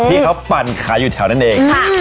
ที่เขาปั่นขายอยู่แถวนั้นเอง